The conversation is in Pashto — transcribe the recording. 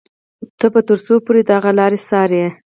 ته به تر څو پورې د هغه لارې څاري.